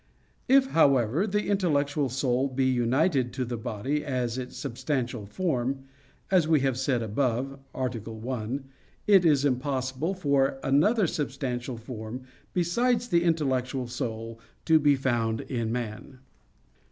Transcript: If, however, the intellectual soul be united to the body as its substantial form, as we have said above (A. 1), it is impossible for another substantial form besides the intellectual soul to be found in man.